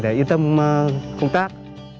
để yên tâm công tác